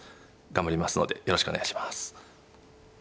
頑張りますのでよろしくお願いします。